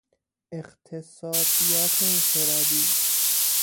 اقتصادیات انفرادی